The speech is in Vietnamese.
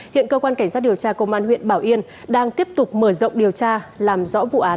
hiện cơ quan cảnh sát điều tra công an huyện bảo yên đang tiếp tục mở rộng điều tra làm rõ vụ án